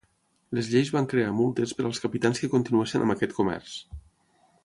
Les lleis van crear multes per als capitans que continuessin amb aquest comerç.